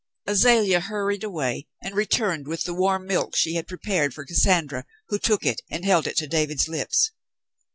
Azalea hurried away and returned w4th the warm milk she had prepared for Cassandra, who took it and held it to David's lips.